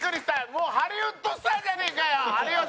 もうハリウッドスターじゃねえかよ有吉！